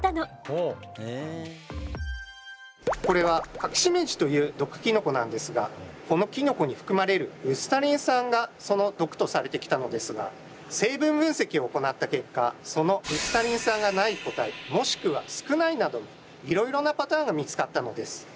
これはカキシメジという毒キノコなんですがこのキノコに含まれるウスタリン酸がその毒とされてきたのですが成分分析を行った結果そのウスタリン酸が無い個体もしくは少ないなどのいろいろなパターンが見つかったのです。